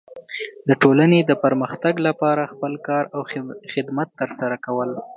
د ټولنې د پرمختګ لپاره خپل کار او خدمت ترسره کول.